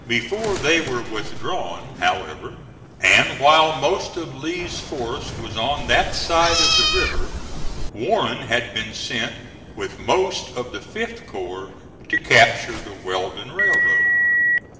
Before they were withdrawn, however, and while most of Lee's force was on that side of the river, Warren had been sent with most of the 5th corps to capture the Weldon Railroad.